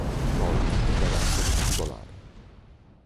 Loïc è un ragazzo particolare.